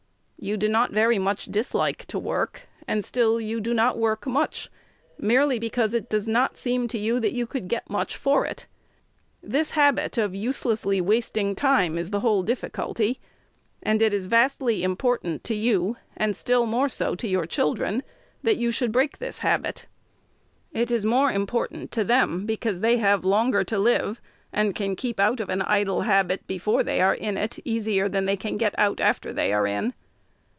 You do not very much dislike to work, and still you do not work much, merely because it does not seem to you that you could get much for it. This habit of uselessly wasting time is the whole difficulty; and it is vastly important to you, and still more so to your children, that you should break the habit. It is more important to them, because they have longer to live, and can keep out of an idle habit before they are in it easier than they can get out after they are in.